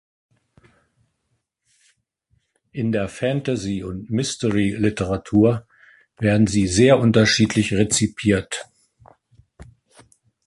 In der Fantasy- und Mystery-Literatur werden sie sehr unterschiedlich rezipiert.